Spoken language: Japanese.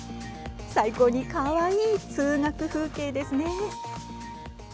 最高にかわいい通学風景ですね。